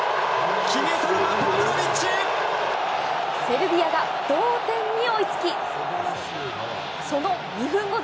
セルビアが同点に追いつき、その２分後。